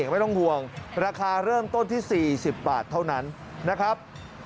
ไม่ต้องห่วงราคาเริ่มต้นที่๔๐บาทเท่านั้นนะครับ